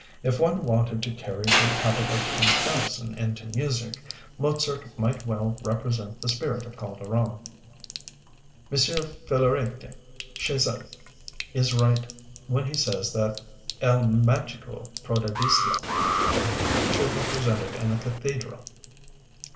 If one wanted to carry the habit of comparison into music, Mozart might well represent the spirit of Calderon. M. Philarète Chasles is right when he says that 'El Mágico Prodigioso' should be presented in a cathedral.